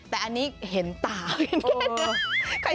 แต่อันนี้เห็นตาเห็นแค่นี้